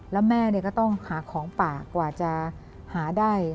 แล้วแม่ก็ต้องหาของป่ากว่าจะหาได้